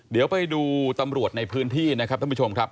เดี๋ยวไปดูตำรวจในพื้นที่นะครับท่านผู้ชมครับ